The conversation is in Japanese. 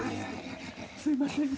すいません。